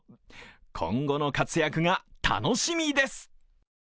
今後の活躍が楽しみです！